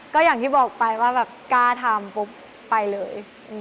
ก็อย่างที่บอกไปว่าแบบกล้าทำปุ๊บไปเลย